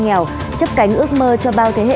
nghèo chấp cánh ước mơ cho bao thế hệ